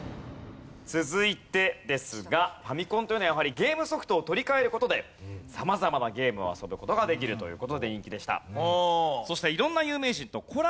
続いてですがファミコンというのはやはりゲームソフトを取り換える事で様々なゲームを遊ぶ事ができるという事で人気でした。